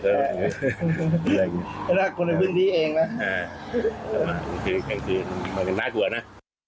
นะครับมันไม่น่ากลัวในวิวนี้เองนะยังคือน่ากลัวกันน่ากลัวนะ